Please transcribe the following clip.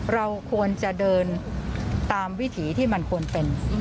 เราควรจะเดินตามวิถีที่มันควรเป็น